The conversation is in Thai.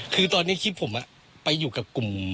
คือตอนนี้คลิปผมไปอยู่กับกลุ่ม